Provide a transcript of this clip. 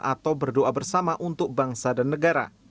atau berdoa bersama untuk bangsa dan negara